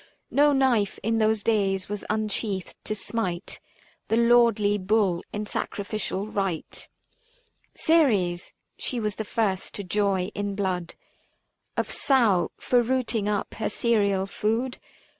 No knife in those days was unsheathed to smite The lordly bull in sacrificial rite. Ceres — she was the first to joy in blood 375 Of sow, for rooting up her cereal food.